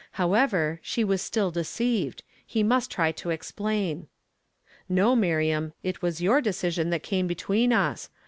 How ever, she was still deceived ; he must try to ex, plain. "^■ "No, Miriam, it was your decision that came between us.